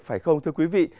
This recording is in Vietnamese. phải không thưa quý vị